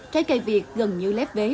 trái cây việt gần như lép vế